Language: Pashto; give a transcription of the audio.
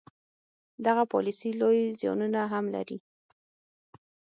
دغه پالیسي لوی زیانونه هم لري.